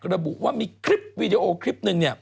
ระบุว่ามีคลิปวีดีโอคลิปนึง